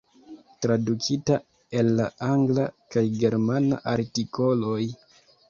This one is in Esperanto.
Tradukita el la angla kaj germana artikoloj.